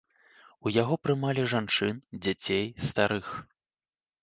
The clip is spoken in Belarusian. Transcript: У яго прымалі жанчын, дзяцей, старых.